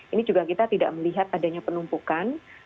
ini juga kita tidak melihat adanya penumpukan